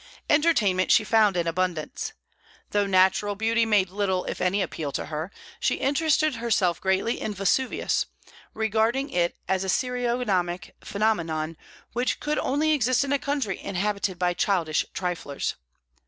Entertainment she found in abundance. Though natural beauty made little if any appeal to her, she interested herself greatly in Vesuvius, regarding it as a serio comic phenomenon which could only exist in a country inhabited by childish triflers.